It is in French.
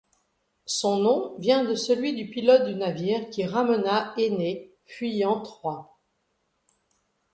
Son nom vient de celui du pilote du navire qui ramena Énée, fuyant Troie.